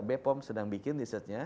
bepom sedang bikin risetnya